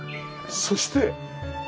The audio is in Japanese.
そして。